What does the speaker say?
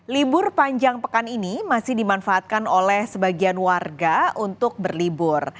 libur panjang pekan ini masih dimanfaatkan oleh sebagian warga untuk berlibur